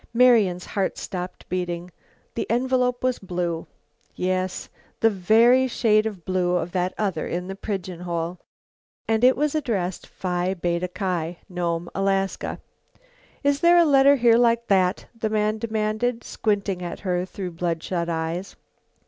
Marian's heart stopped beating. The envelope was blue yes, the very shade of blue of that other in the pigeon hole. And it was addressed: Phi Beta Ki, Nome, Alaska. "Is there a letter here like that?" the man demanded, squinting at her through blood shot eyes.